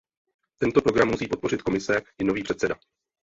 Tento program musí podpořit Komise i nový předseda.